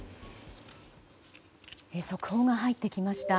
速報が入ってきました。